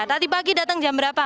tadi pagi datang jam berapa